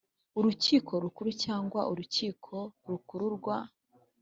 urukiko rukuru cyangwa urukiko rukuru rwa